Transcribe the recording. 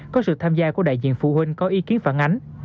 có sự tham gia của đại diện phụ huynh có ý kiến phản ánh